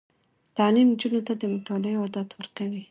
تعلیم نجونو ته د مطالعې عادت ورکوي.